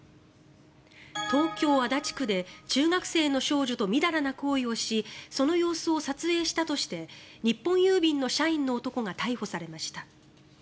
東京・足立区で中学生の少女とみだらな行為をしその様子を撮影したとして日本郵便の社員の男が逮捕されました。